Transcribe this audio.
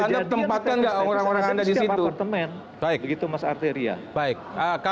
anda tempatkan nggak orang orang anda di situ